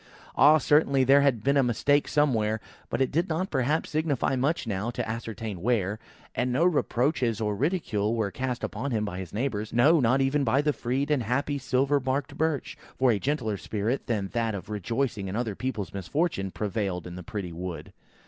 Ah, certainly there had been a mistake somewhere, but it did not perhaps signify much now, to ascertain where; and no reproaches or ridicule were cast upon him by his neighbours; no, not even by the freed and happy silver barked Birch; for a gentler spirit than that of rejoicing in other people's misfortunes, prevailed in the pretty wood.